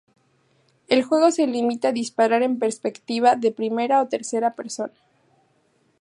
El juego se limita a disparar en perspectiva de primera o tercera persona.